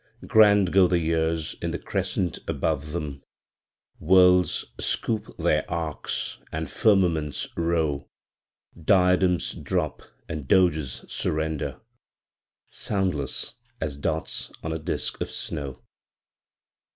Grand go the years in the crescent above them; Worlds scoop their arcs, and firmaments row, Diadems drop and Doges surrender, Soundless as dots on a disk of snow.